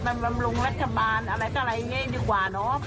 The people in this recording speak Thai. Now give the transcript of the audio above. บำรุงรัฐบาลอะไรก็อะไรอย่างนี้ดีกว่าเนาะ